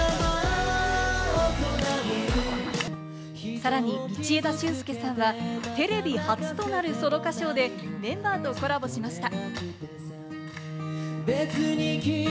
さらに道枝駿佑さんはテレビ初となるソロ歌唱で、メンバーとコラボしました。